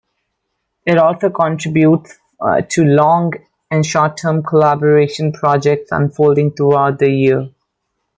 It also contributes to long- and short-term collaboration projects unfolding throughout the year.